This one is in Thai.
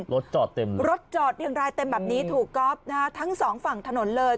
รถจอดเต็มเลยรถจอดเรียงรายเต็มแบบนี้ถูกก๊อฟนะฮะทั้งสองฝั่งถนนเลย